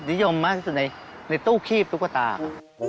นิยมมากในตู้ขี้บตุ๊กตาค่ะ